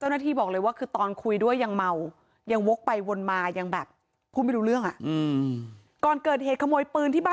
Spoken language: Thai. นี่คือพื้นนะคะ